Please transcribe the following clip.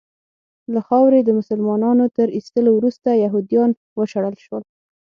له خاورې د مسلنانو تر ایستلو وروسته یهودیان وشړل شول.